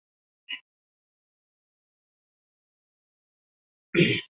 পরে আমাল বলেছিলেন যে তিনি অনুভব করেছিলেন যে শরিয়া আইনের অধীনে একজন মহিলা হিসাবে তাঁর কোনও অধিকার নেই।